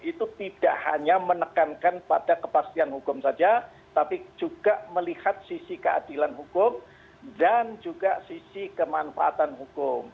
itu tidak hanya menekankan pada kepastian hukum saja tapi juga melihat sisi keadilan hukum dan juga sisi kemanfaatan hukum